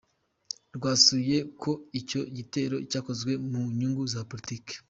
Rwanzuye ko icyo gitero "cyakozwe mu nyungu za politiki".